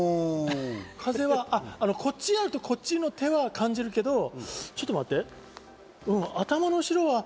風はこっちにやるとこっちの手は感じるけど、ちょっと待って。